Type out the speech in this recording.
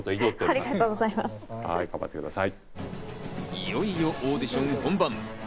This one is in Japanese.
いよいよオーディション本番。